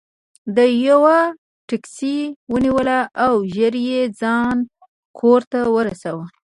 ده یوه ټکسي ونیوله او ژر یې ځان کور ته ورساوه.